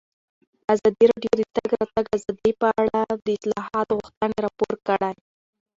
ازادي راډیو د د تګ راتګ ازادي په اړه د اصلاحاتو غوښتنې راپور کړې.